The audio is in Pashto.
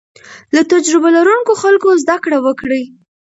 له تجربه لرونکو خلکو زده کړه وکړئ.